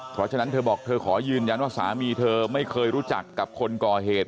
เพราะฉะนั้นเธอบอกเธอขอยืนยันว่าสามีเธอไม่เคยรู้จักกับคนก่อเหตุ